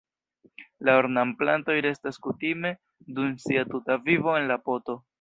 La ornamplantoj restas kutime dum sia tuta vivo en la poto.